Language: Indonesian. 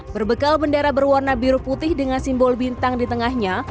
berbekal bendera berwarna biru putih dengan simbol bintang di tengahnya